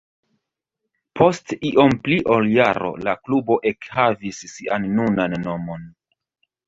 Post iom pli ol jaro la klubo ekhavis sian nunan nomon.